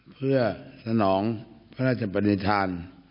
เพื่อสนองพระราชปนิษฐาน